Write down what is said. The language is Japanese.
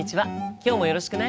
今日もよろしくね。